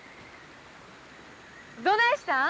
どないしたん？